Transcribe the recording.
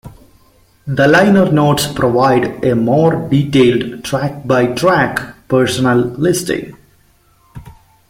The liner notes provide a more detailed track-by-track personnel listing.